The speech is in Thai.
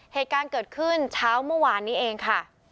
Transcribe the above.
เหตุการณ์เกิดขึ้นเช้าเมื่อวานนี้เองค่ะ